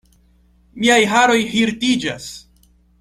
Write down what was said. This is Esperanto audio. Miaj haroj hirtiĝas!